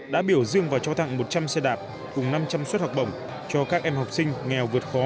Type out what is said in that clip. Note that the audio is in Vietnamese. đã biểu dương và cho tặng một trăm linh xe đạp cùng năm trăm linh suất học bổng cho các em học sinh nghèo vượt khó